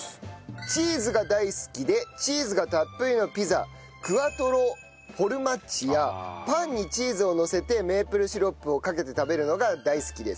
チーズが大好きでチーズがたっぷりのピザクアトロフォルマッジやパンにチーズをのせてメープルシロップをかけて食べるのが大好きです。